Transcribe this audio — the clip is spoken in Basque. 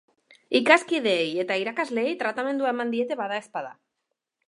Ikaskideei eta irakasleei tratamendua eman diete, badaezpada.